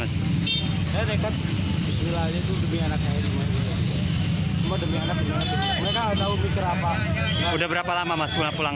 meski mereka berapa lama pulang pulang